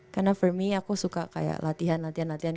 karena for me aku suka kayak latihan latihan latihan